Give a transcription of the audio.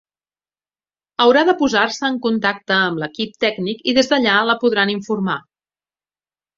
Haurà de posar-se en contacte amb l'equip tècnic i des d'allà la podran informar.